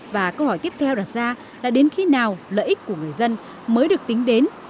và câu hỏi tiếp theo đặt ra là đến khi nào lợi ích của người dân mới được tính đến